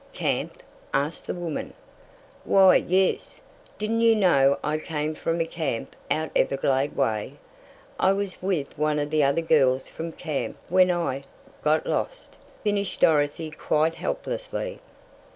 "Camp?" asked the woman. "Why, yes. Didn't you know I came from a camp out Everglade way? I was with one of the other girls from camp when I got lost," finished Dorothy quite helplessly.